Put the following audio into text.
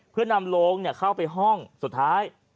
เพื่อนำโลงเข้าไปห้องสุดท้าย